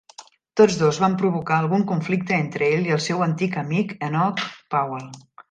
Tots dos van provocar algun conflicte entre ell i el seu antic amic Enoch Powell.